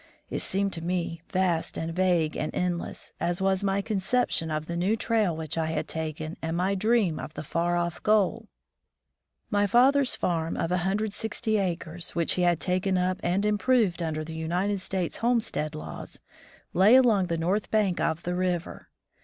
It seemed to me vast and vague and endless, as was my conception of the new trail which I had taken and my dream of the far off goal. My father's farm of 160 acres, which he had taken up and improved under the United States homestead laws, lay along the north bank of the river.